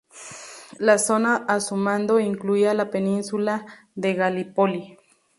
La zona a su mando incluía la península de Galípoli.